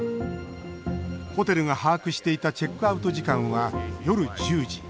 ホテルが把握していたチェックアウト時間は夜１０時。